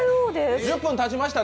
１０分たちましたね、